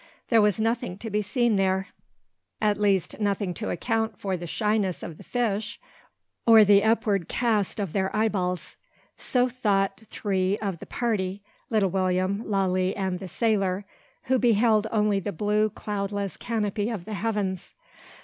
There was nothing to be seen there, at least, nothing to account for the shyness of the fish, or the upward cast of their eyeballs. So thought three of the party, little William, Lalee, and the sailor, who beheld only the blue, cloudless canopy of the heavens.